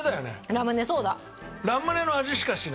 ラムネソーダ。